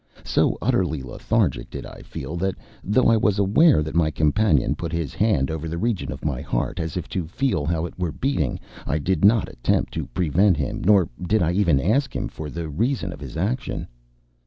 So utterly lethargic did I feel that, though I was aware that my companion put his hand over the region of my heart, as if to feel how it were beating, I did not attempt to prevent him, nor did I even ask him for the reason of his action.